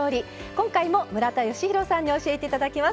今回も村田吉弘さんに教えて頂きます。